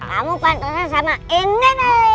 kamu pantasnya sama ini